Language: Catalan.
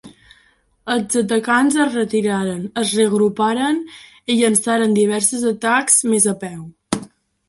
Els atacants es retiraren, es reagruparen i llançaren diversos atacs més a peu.